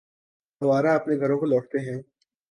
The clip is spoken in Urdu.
اوروہ اپنے گھروں کو لوٹتے ہیں۔